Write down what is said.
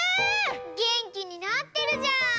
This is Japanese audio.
げんきになってるじゃん！